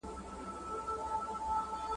منفي خبرې د ماشوم ذهن ویجاړوي.